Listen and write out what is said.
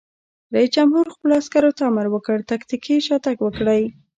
رئیس جمهور خپلو عسکرو ته امر وکړ؛ تکتیکي شاتګ وکړئ!